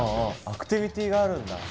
アクティビティーがあるんだ。